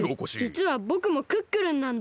じつはぼくもクックルンなんだ！